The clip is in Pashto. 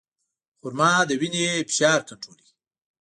خرما د وینې فشار کنټرولوي.